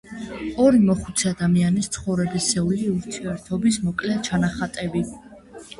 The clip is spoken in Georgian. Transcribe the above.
ორი მოხუცი ადამიანის ცხოვრებისეული ურთიერთობის მოკლე ჩანახატები.